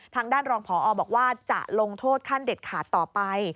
ทางด้านรองพอบอกว่าจะลงโทษขั้นเด็ดขาดต่อไป